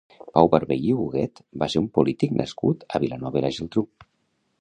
Pau Barbé i Huguet va ser un polític nascut a Vilanova i la Geltrú.